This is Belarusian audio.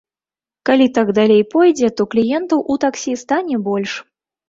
Калі так далей пойдзе, то кліентаў у таксі стане больш.